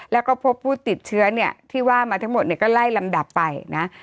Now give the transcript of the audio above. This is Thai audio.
แล้วก็พบผู้ติดเชื้อเนี่ยที่ว่ามาทั้งหมดเนี่ยก็ไล่ลำดับไปนะ